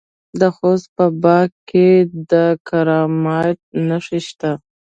د خوست په باک کې د کرومایټ نښې شته.